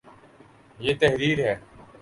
یہ تحریر ہے